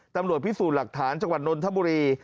ตำรวจพิสูจน์หลักฐานจังหวัดนนทบุรี